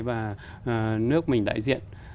và nước mình đại diện